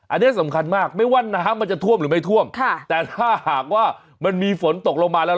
อันนี้สำคัญมากไม่ว่าน้ำมันจะท่วมหรือไม่ท่วมค่ะแต่ถ้าหากว่ามันมีฝนตกลงมาแล้ว